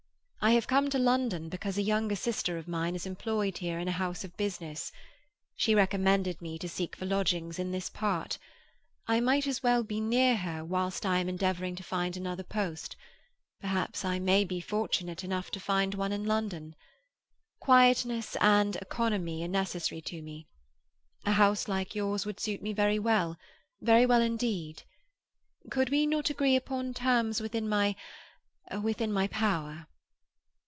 I have come to London because a younger sister of mine is employed here in a house of business; she recommended me to seek for lodgings in this part; I might as well be near her whilst I am endeavouring to find another post; perhaps I may be fortunate enough to find one in London. Quietness and economy are necessary to me. A house like yours would suit me very well—very well indeed. Could we not agree upon terms within my—within my power?"